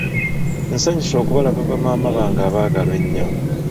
Nsanyuse okubalaba ba Maama bange abaagalwa ennyo.